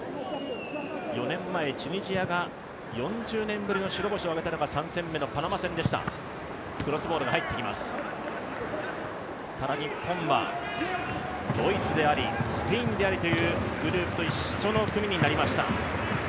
４年前、チュニジアが４０年ぶりの白星を挙げたのが３戦目のパナマ戦でした、ただ日本はドイツであり、ただ日本は、ドイツでありスペインであるという国と一緒のチームになりました。